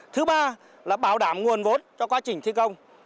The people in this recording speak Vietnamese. thứ ba là bảo đảm nguồn vốn cho quá trình thi công